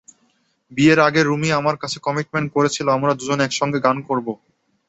বিয়ের আগে রুমি আমার কাছে কমিটমেন্ট করেছিল, আমরা দুজন একসঙ্গে গান করব।